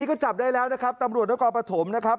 ก็จับได้แล้วนะครับตำรวจนครปฐมนะครับ